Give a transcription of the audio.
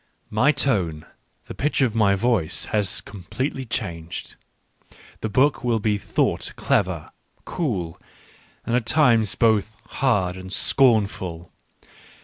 My tone, the pitch of my voice, has completely changed ; the book will be thought clever, cool, and at times both hard and scornful.